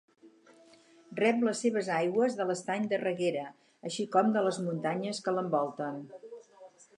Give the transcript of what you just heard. Rep les seves aigües de l'Estany de Reguera, així com de les muntanyes que l'envolten.